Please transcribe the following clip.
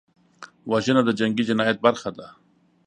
وژنه د جنګي جنایت برخه ده